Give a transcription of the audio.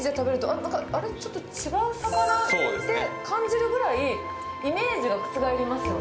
なんかちょっと違う魚？って感じるぐらい、イメージが覆りますよ